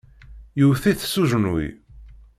Yewwet-it s ujenwi.